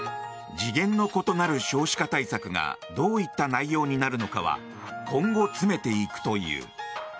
次元の異なる少子化対策がどういった内容になるのかは今後詰めていくという。